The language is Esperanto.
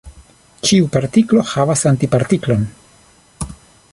Ĉiu partiklo havas antipartiklon.